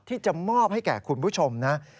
ที่จะมอบให้แก่คุณผู้ชมนะ